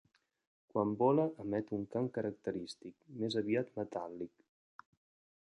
Quan vola emet un cant característic, més aviat metàl·lic.